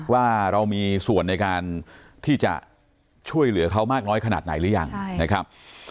ว่าเรามีส่วนในการที่จะช่วยเหลือเขามากน้อยขนาดไหนหรือยังนะครับ